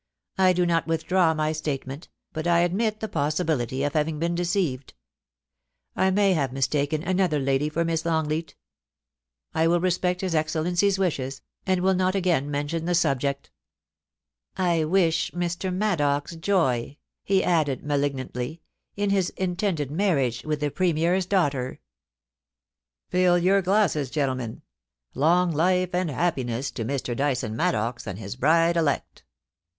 I do not withdraw my statement, but I admit the possibility of having been de ceived ; I may have mistaken another lady for Miss Long leat I will respect his Excellency's wishes, and will not again mention the subject I wish Mr. Maddox joy,' he BEFORE THE OPENING OF PARLIAMENT. 377 added malignantly, 'in his intended marriage with the Premier's daughter.' ' Fill your glasses, gentlemen. Long life and happiness to Mr. Dyson Maddox and his bride elect